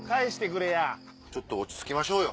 ちょっと落ち着きましょうよ。